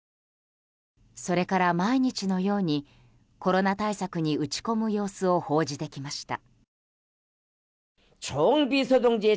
それから毎日のようにコロナ対策に打ち込む様子を報じてきました。